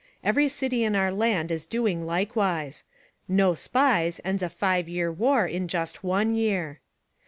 Every city in our land is doing likewise. No SPIES ends a five year war in just one year.